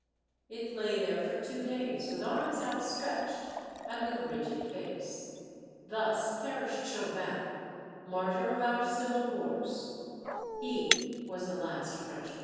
It lay there for two days, with arms out stretched, and with rigid face. Thus perished Chauvin, martyr of our civil wars.